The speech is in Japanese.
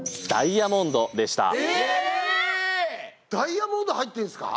ダイヤモンド入ってんすか！？